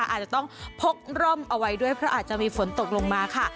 อาจจะต้องพกร่มเอาไว้ด้วยเพราะอาจจะมีฝนตกลงมาค่ะ